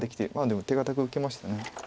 でも手堅く受けました。